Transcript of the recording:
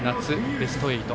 ベスト８。